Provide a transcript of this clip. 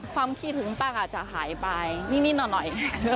ความคิดถึงตั้งอาจจะหายไปนิดหน่อย